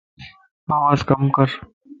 آواز ڪم ڪر